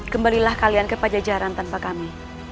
kembalilah kalian ke pajajaran tanpa kami